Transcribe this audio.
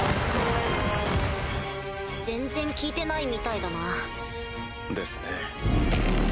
全然効いてないみたいだな。ですね。